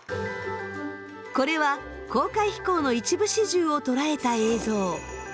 これは公開飛行の一部始終を捉えた映像。